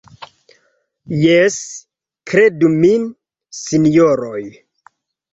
Jes, kredu min, sinjoroj.